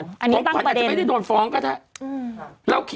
ของขวัญอาจจะไม่ได้โดนฟ้องก็ได้